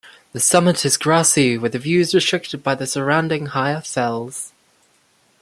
The summit is grassy with views restricted by the surrounding higher fells.